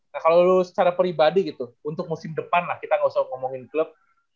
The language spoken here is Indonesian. nah kalau lu secara pribadi gitu untuk musim depan lah kita gak usah ngomongin klub